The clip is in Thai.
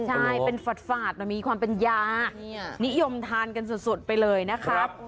ใช่เป็นฝาดมันมีความเป็นยานิยมทานกันสุดไปเลยนะครับ